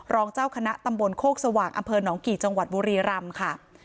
รองเจ้าคณะตำบลโคกสว่างอำเภอหนองกี่จังหวัดบุรีรำค่ะ